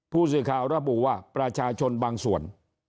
ผู้สื่อข่าวระบุว่าประชาชนบางส่วน